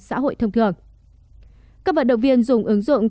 các vận động viên dùng ứng dụng